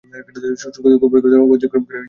সুখ ও দুঃখ উভয়কে অতিক্রম করাই মুক্তির ভাব।